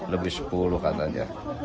lebih sepuluh katanya